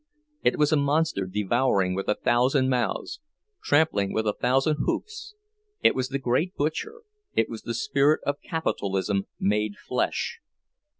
It was a monster devouring with a thousand mouths, trampling with a thousand hoofs; it was the Great Butcher—it was the spirit of Capitalism made flesh.